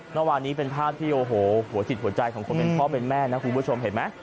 เมื่อวานนี้เป็นภาพที่โอ้โหหัวจิตหัวใจของคนเป็นพ่อเป็นแม่นะคุณผู้ชมเห็นไหม